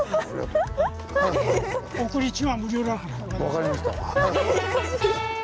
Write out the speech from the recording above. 分かりました。